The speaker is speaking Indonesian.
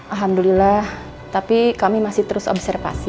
alhamdulillah tapi kami masih terus observasi